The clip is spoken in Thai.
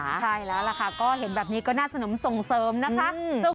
ใช่แล้วล่ะค่ะก็เห็นแบบนี้ก็น่าสนมส่งเสริมนะคะ